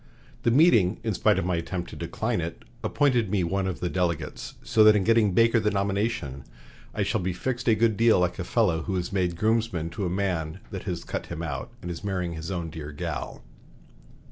The meeting, in spite of my attempt to decline it, appointed me one of the delegates, so that in getting Baker the nomination I shall be fixed a good deal like a fellow who is made groomsman to a man that has cut him out and is marrying his own dear 'gal.'"